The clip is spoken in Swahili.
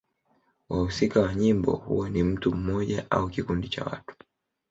Wahusika wa nyimbo huwa ni mtu mmoja au kikundi cha watu.